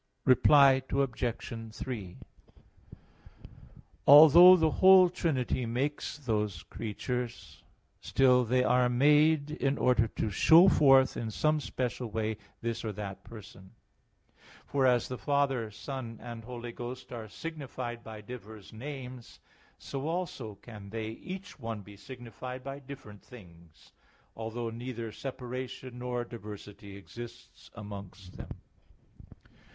Reply Obj. 3: Although the whole Trinity makes those creatures, still they are made in order to show forth in some special way this or that person. For as the Father, Son and Holy Ghost are signified by diverse names, so also can They each one be signified by different things; although neither separation nor diversity exists amongst Them.